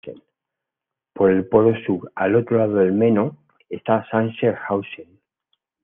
Por el sur, al otro lado del Meno, está Sachsenhausen.